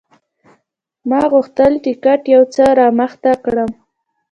ما غوښتل ټکټ یو څه رامخته کړم.